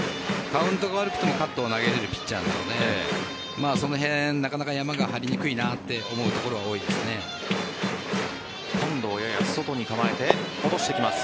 カウントが悪くてもカットが投げれるピッチャーなのでその辺、なかなか山が張りにくいなと思うところが今度は外に構えて落としてきます。